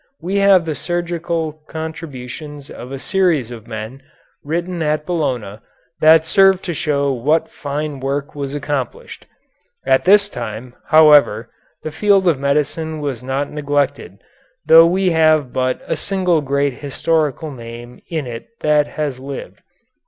We have the surgical contributions of a series of men, written at Bologna, that serve to show what fine work was accomplished. At this time, however, the field of medicine was not neglected, though we have but a single great historical name in it that has lived.